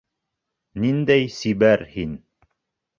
Ниндәй сибәр һин!